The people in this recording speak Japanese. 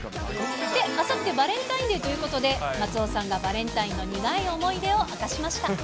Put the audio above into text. あさってバレンタインデーということで、松尾さんがバレンタインの苦い思い出を明かしました。